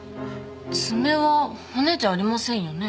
爪は骨じゃありませんよね？